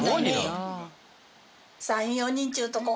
３４人っちゅうとこ。